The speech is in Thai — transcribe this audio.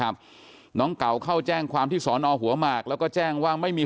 น้องเก่าเข้าแจ้งความที่สอนอหัวหมากแล้วก็แจ้งว่าไม่มี